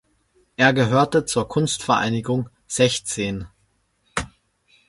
Er gehörte zur Kunstvereinigung "Sechzehn".